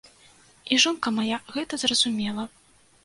І жонка мая гэта зразумела.